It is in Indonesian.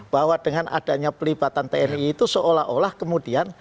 bahwa dengan adanya pelibatan tni itu seolah olah kemudian